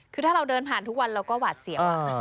คือถ้าเราเดินผ่านทุกวันเราก็หวาดเสียว